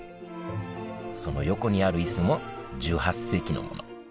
その横にある椅子も１８世紀のもの。